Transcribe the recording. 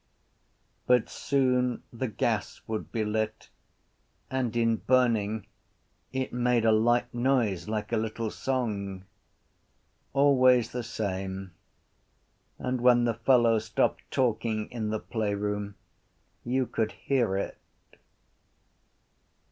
But soon the gas would be lit and in burning it made a light noise like a little song. Always the same: and when the fellows stopped talking in the playroom you could hear it.